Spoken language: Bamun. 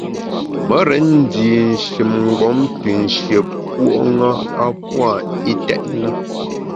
Me rén ndi shin mgbom te nshié puo’ ṅa a pua’ itèt na.